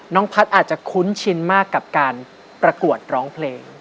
พัฒน์อาจจะคุ้นชินมากกับการประกวดร้องเพลง